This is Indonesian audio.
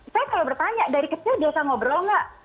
saya kalau bertanya dari kecil biasa ngobrol nggak